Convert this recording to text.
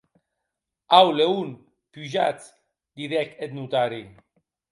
Au, Leon, pujatz!, didec eth notari.